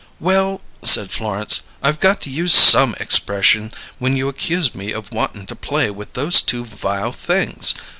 "Well," said Florence, "I got to use some expression when you accuse me of wantin' to 'play' with those two vile things!